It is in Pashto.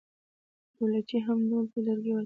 ډولچي هم ډول ته لرګي واچول.